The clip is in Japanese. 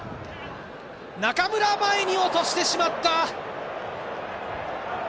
中村、前に落としてしまった。